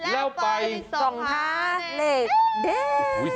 แล้วไปส่งท้าเหล็ก